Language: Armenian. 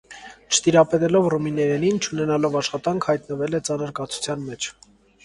Չտիրապետելով ռումիներենին, չունենալով աշխատանք՝ հայտնվել է ծանր կացության մեջ։